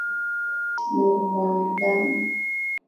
Mungu Mwanadamu